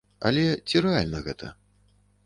Але ці рэальна гэта?